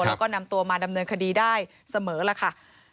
แล้วก็นำตัวมาดำเนินคดีได้เสมอล่ะค่ะ